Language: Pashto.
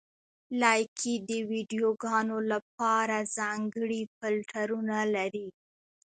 لایکي د ویډیوګانو لپاره ځانګړي فېلټرونه لري.